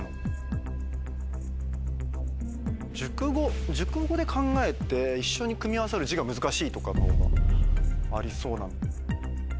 熟語で考えて一緒に組み合わさる字が難しいとかのほうがありそうな。